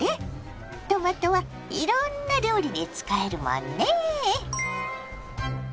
トマトはいろんな料理に使えるもんね。